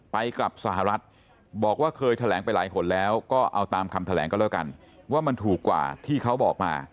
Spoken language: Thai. ไปกลับสหรัฐบอกว่าเคยแถลงไปหลายหนแล้วก็เอาตามคำแถลงก็แล้วกันว่ามันถูกกว่าที่เขาบอกมา